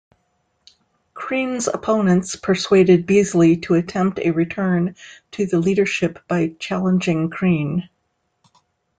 Crean's opponents persuaded Beazley to attempt a return to the leadership by challenging Crean.